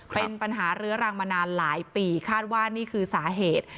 เป็นปัญหาเรื้อรังมานานหลายปีคาดว่านี่คือสาเหตุ